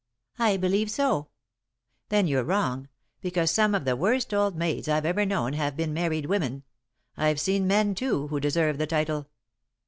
"I believe so." "Then you're wrong, because some of the worst old maids I've ever known have been married women. I've seen men, too, who deserve the title."